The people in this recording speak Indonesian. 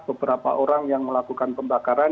beberapa orang yang melakukan pembakaran